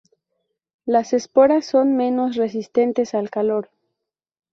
Las esporas son menos resistentes al calor.